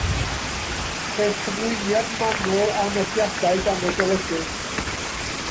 Ceir cyflwyniad manwl a nodiadau gan y golygydd.